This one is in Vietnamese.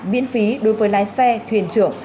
miễn phí đối với lái xe thuyền trưởng